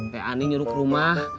pe'ani nyuruh ke rumah